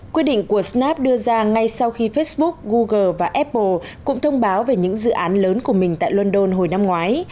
quyết định của snap đưa ra ngay sau khi facebook google và apple cũng thông báo về những dự án lớn của mình tại london hồi năm ngoái